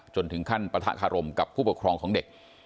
จนถึงขั้นปะทะคารมกับผู้ปกครองของเด็ก